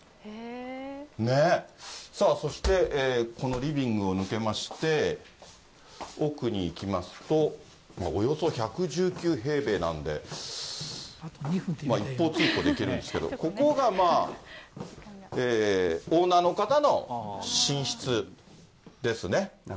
さあそして、このリビングを抜けまして、奥に行きますと、およそ１１９平米なんで、一方通行で行けるんですけど、ここがまあ、オーナーの方の寝室ですね。